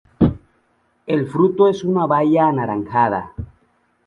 El fruto es una baya anaranjada.